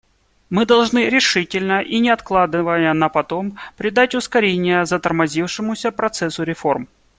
Мы должны решительно и не откладывая на потом придать ускорение затормозившемуся процессу реформ.